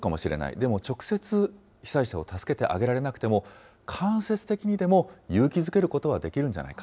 でも直接、被災者を助けてあげられなくても、間接的にでも勇気づけることはできるんじゃないか。